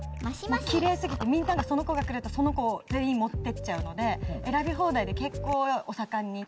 キレイ過ぎてみんながその子が来るとその子全員持ってっちゃうので選び放題で結構お盛んに。